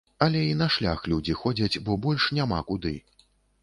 Але і на шлях людзі ходзяць, бо больш няма куды.